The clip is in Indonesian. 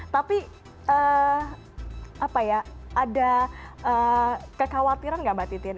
tapi ada kekhawatiran nggak mbak titin